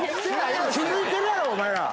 気付いてるやろお前ら。